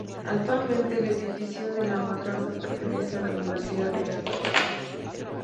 Actualmente, el edificio de la madraza pertenece a la Universidad de Granada.